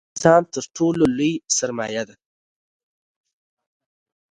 • باور د انسان تر ټولو لوی سرمایه ده.